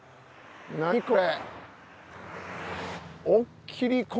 何これ。